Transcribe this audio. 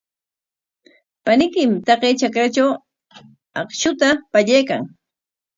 Paniykim taqay trakratraw akshuta pallaykan.